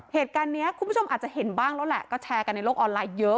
คุณผู้ชมอาจจะเห็นบ้างแล้วแหละก็แชร์กันในโลกออนไลน์เยอะ